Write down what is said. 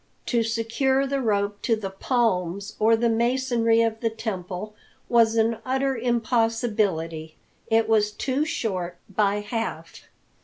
To secure the rope to the palms or the masonry of the temple was an utter impossibility. It was too short by half.